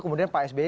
kemudian pak sbi